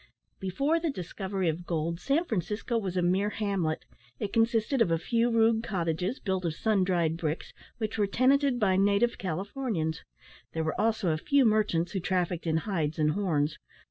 Before the discovery of gold, San Francisco was a mere hamlet. It consisted of a few rude cottages, built of sun dried bricks, which were tenanted by native Californians; there were also a few merchants who trafficked in hides and horns.